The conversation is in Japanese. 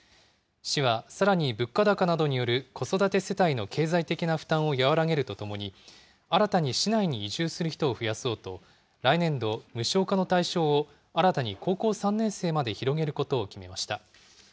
市はさらに物価高などによる子育て世帯の経済的な負担を和らげるとともに、新たに市内に移住する人を増やそうと、来年度、無償化の対象を新たに高校３年生まで広げることを決めました。